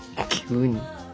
急に。